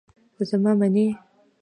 زما منی.